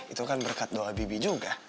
itu kan berkat doa bibi juga